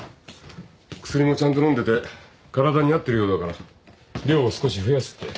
薬もちゃんと飲んでて体に合ってるようだから量を少し増やすって。